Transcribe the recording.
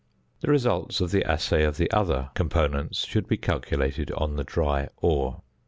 The results of the assay of the other components should be calculated on the "dry ore."